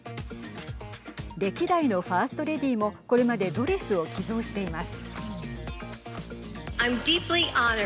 歴代のファースト・レディーもこれまでドレスを寄贈しています。